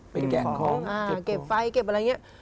เป็นแกนของเก็บตัวอ่าเก็บไฟเก็บอะไรอย่างนี้